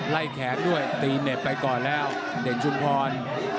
ไล่แขกด้วยตีเน็ตไปก่อนแล้วเด็กชุนพร